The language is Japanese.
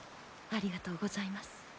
ありがとうございます。